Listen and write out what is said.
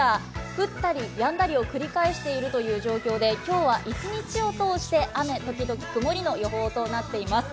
降ったりやんだりを繰り返しているという状況で今日は一日を通して雨時々曇りの予報になっています。